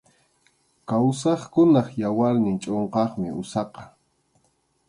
Kawsaqkunap yawarnin chʼunqaqmi usaqa.